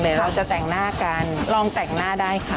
เดี๋ยวเราจะแต่งหน้ากันลองแต่งหน้าได้ค่ะ